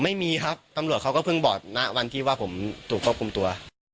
ไม่มีครับตำรวจเขาก็เพิ่งบอกณวันที่ว่าผมถูกควบคุมตัว